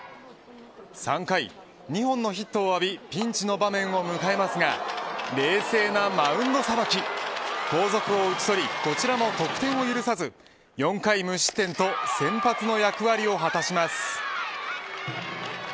３回、２本のヒットを浴びピンチの場面を迎えますが後続を打ち取りこちらも得点を許さず４回無失点と先発の役割を果たします。